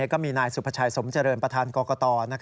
ก็มีนายสุภาชัยสมเจริญประธานกรกต